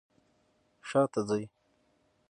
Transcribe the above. شاته ځئ